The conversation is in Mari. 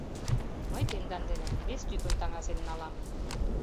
Мый тендан дене вестӱкын таҥасен налам.